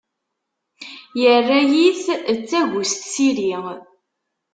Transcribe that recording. Yerra-iyi-t d tagust s iri.